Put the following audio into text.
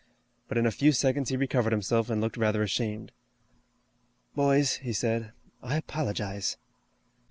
But in a few seconds he recovered himself and looked rather ashamed. "Boys," he said, "I apologize."